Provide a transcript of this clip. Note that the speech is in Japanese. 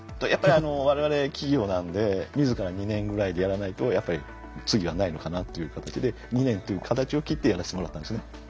やっぱり我々企業なんで自ら２年ぐらいでやらないとやっぱり次はないのかなっていう形で２年という形を切ってやらせてもらったんですね。